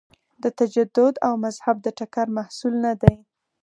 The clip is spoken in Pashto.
د تجدد او مذهب د ټکر محصول نه دی.